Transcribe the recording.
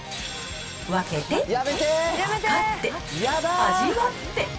分けて、測って、味わって。